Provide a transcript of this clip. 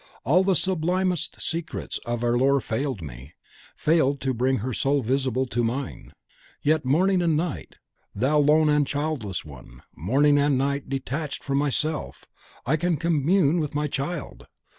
All the sublimest secrets of our lore failed me, failed to bring her soul visible to mine; yet morning and night, thou lone and childless one, morning and night, detached from myself, I can commune with my child!